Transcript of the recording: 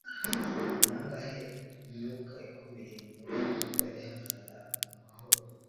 Nangahe imyuka ikomeye nyuma yo kuvuga ihagarara mumahoro